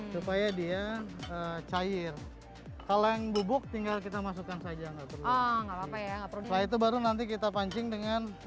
cair kaleng bubuk tinggal kita masukkan saja enggak perlu itu baru nanti kita pancing dengan